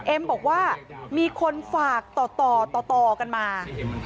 เอ็มบอกว่ามีคนฝากต่อต่อกันมา